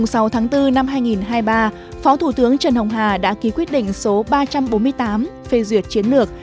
ngày sáu tháng bốn năm hai nghìn hai mươi ba phó thủ tướng trần hồng hà đã ký quyết định số ba trăm bốn mươi tám phê duyệt chiến lược